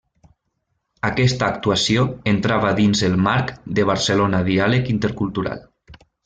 Aquesta actuació entrava dins el marc de Barcelona Diàleg Intercultural.